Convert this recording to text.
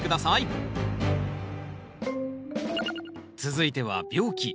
続いては病気。